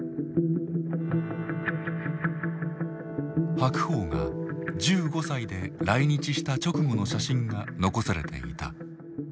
白鵬が１５歳で来日した直後の写真が残されていた。